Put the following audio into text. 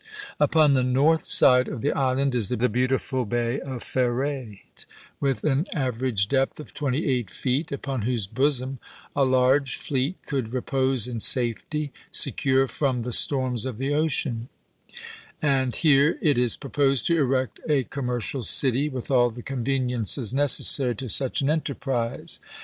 Upon the north side of the island is the beautiful bay of Ferret, with an average depth of twenty eight feet, upon whose bosom a large fleet could repose in safety, secure from the storms of the ocean ; and here it is proposed to erect a commer cial city, with all the conveniences necessary to such an enterprise.